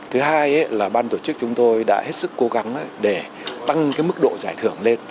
thứ hai là ban tổ chức chúng tôi đã hết sức cố gắng để tăng mức độ giải thưởng lên